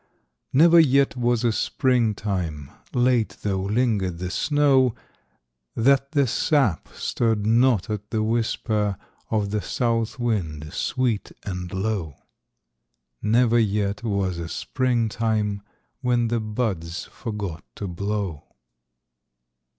Never yet was a springtime, Late though lingered the snow, That the sap stirred not at the whisper Of the south wind sweet and low; Never yet was a springtime When the buds forgot to blow.